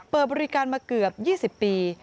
เปิดบริการมาเกือบ๒๐ปี